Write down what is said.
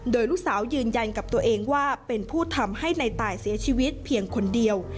โดยลูกสาวยืนยันกับตัวเองว่าเป็นผู้ทำให้ในตายเสียชีวิตเพียงคนเดียว